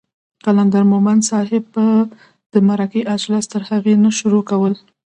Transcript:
قلندر مومند صاحب به د مرکې اجلاس تر هغې نه شروع کولو